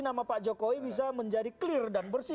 nama pak jokowi bisa menjadi clear dan bersih